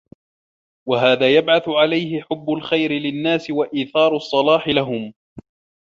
وَهَذَا يَبْعَثُ عَلَيْهِ حُبُّ الْخَيْرِ لِلنَّاسِ وَإِيثَارُ الصَّلَاحِ لَهُمْ